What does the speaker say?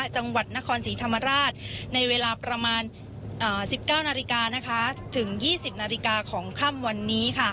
จังหวัดนครศรีธรรมราชในเวลาประมาณ๑๙นาฬิกาถึง๒๐นาฬิกาของค่ำวันนี้